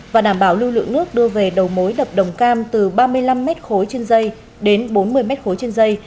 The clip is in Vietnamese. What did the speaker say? và đảm bảo lưu lượng nước đưa về đầu mối đập đồng cam từ ba mươi năm m ba trên dây đến bốn mươi m ba trên dây